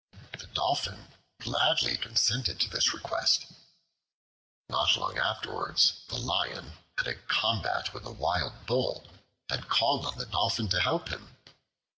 The Dolphin gladly consented to this request. Not long afterwards the Lion had a combat with a wild bull, and called on the Dolphin to help him.